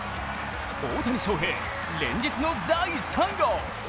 大谷翔平、連日の第３号。